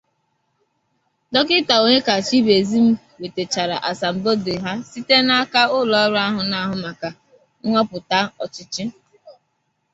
Dọkịta Onyekachukwu Ibezim nwètèchara asambodo ha site n'aka ụlọọrụ ahụ na-ahụ maka nhọpụta ọchịchị